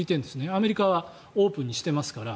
アメリカはオープンにしていますから。